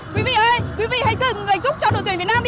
quý vị ơi quý vị hãy dừng lệnh chúc cho đội tuyển việt nam đi ạ